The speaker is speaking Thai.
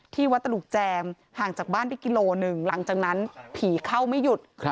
ที่วัดตลุกแจมห่างจากบ้านไปกิโลหนึ่งหลังจากนั้นผีเข้าไม่หยุด